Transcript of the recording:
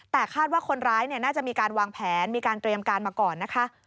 แต่คาดว่าคนร้ายน่าจะมีการวางแผนมีการเตรียมการมาก่อนนะคะ